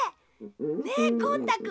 ねえゴン太くん。